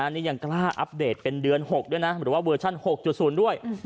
นี่ยังกล้าอัปเดตเป็นเดือน๖ด้วยนะหรือว่าเวอร์ชั่น๖๐ด้วย